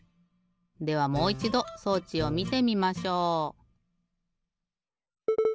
ではもういちど装置をみてみましょう！